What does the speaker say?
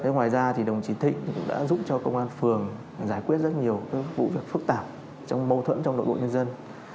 ngoài ra đồng chí thịnh cũng đã giúp cho công an phường giải quyết rất nhiều vụ việc phức tạp trong mâu thuẫn trong nội bộ nhân dân